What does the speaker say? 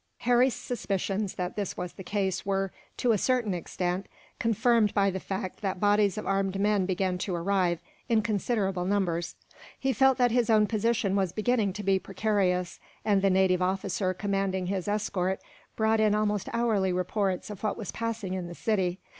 Harry's suspicions that this was the case were, to a certain extent, confirmed by the fact that bodies of armed men began to arrive, in considerable numbers. He felt that his own position was beginning to be precarious, and the native officer commanding his escort brought in almost hourly reports of what was passing in the city.